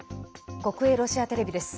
国営ロシアテレビです。